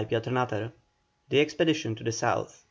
CHAPTER XXXI. THE EXPEDITION TO THE SOUTH.